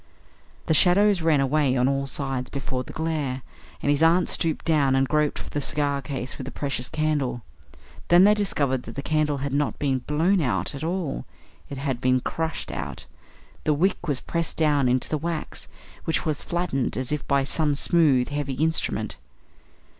The shadows ran away on all sides before the glare, and his aunt stooped down and groped for the cigar case with the precious candle. Then they discovered that the candle had not been blown out at all; it had been crushed out. The wick was pressed down into the wax, which was flattened as if by some smooth, heavy instrument.